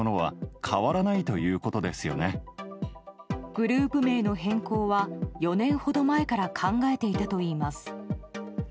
グループ名の変更は４年ほど前から考えていたといいます。